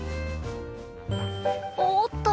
おっと。